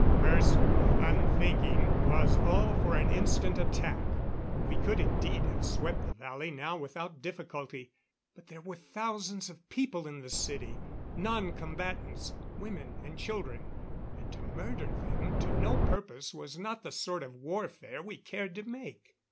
Mercer, unthinking, was all for an instant attack. We could indeed have swept the valley now without difficulty; but there were thousands of people in the city non combatants, women and children and to murder them to no purpose was not the sort of warfare we cared to make.